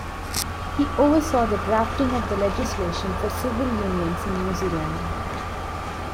He oversaw the drafting of the legislation for civil unions in New Zealand.